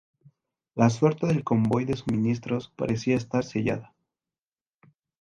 La suerte del convoy de suministros parecía estar sellada.